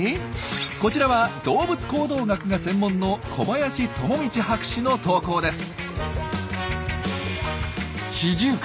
こちらは動物行動学が専門の小林朋道博士の投稿です。